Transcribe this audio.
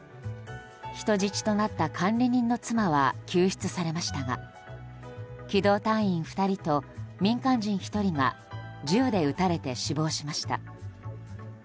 人質となった管理人の妻は救出されましたが機動隊員２人と民間人１人が銃で撃たれて死亡しました。